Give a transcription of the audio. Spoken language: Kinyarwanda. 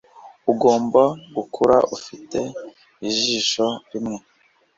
ugomba gukura ufite ijisho rimwe